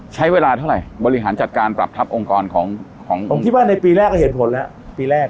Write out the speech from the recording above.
ใช้เวลาเท่าไหร่บริหารจัดการปรับทัพองค์กรของผมคิดว่าในปีแรกก็เห็นผลแล้วปีแรก